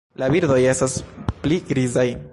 La birdoj estas pli grizaj.